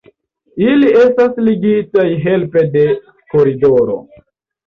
Ili estas ligitaj helpe de koridoro.